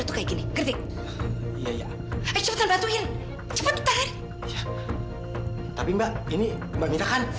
tapi mbak ini mbak minta kan